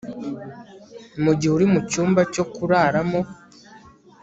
Mugihe uri mucyumba cyo kuraramo